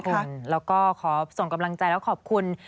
แล้วก็ขอส่งกำลังใจแล้วขอบคุณ